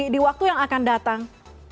di waktu yang akan datang